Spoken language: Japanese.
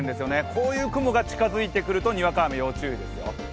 こういう雲が近づいてくるとにわか雨、要注意ですよ。